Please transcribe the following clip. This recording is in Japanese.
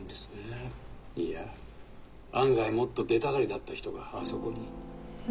いや案外もっと出たがりだった人があそこに。